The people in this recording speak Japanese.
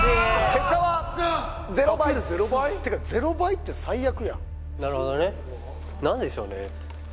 結果は０倍×０倍？てか０倍って最悪やんなるほどね何でしょうね